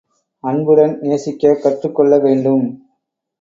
அன்புடன் நேசிக்கக் கற்றுக் கொள்ள வேண்டும்.